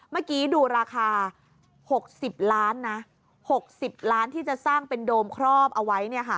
เมื่อกี้ดูราคา๖๐ล้านนะ๖๐ล้านที่จะสร้างเป็นโดมครอบเอาไว้